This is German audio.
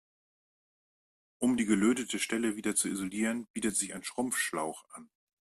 Um die gelötete Stelle wieder zu isolieren, bietet sich ein Schrumpfschlauch an.